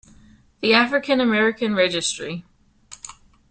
"The African American Registry"